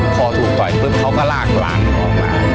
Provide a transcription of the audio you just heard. พอถูกต่อยปุ๊บเขาก็ลากหลานออกมา